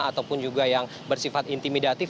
ataupun juga yang bersifat intimidatif